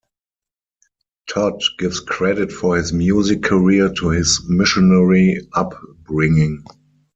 Todd gives credit for his music career to his missionary upbringing.